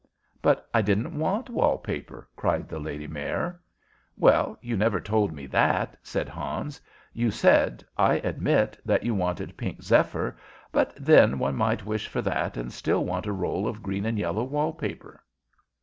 "But I didn't want wall paper," cried the Lady Mayor. "Well, you never told me that," said Hans. "You said, I admit, that you wanted pink zephyr; but then one might wish for that and still want a roll of green and yellow wall paper."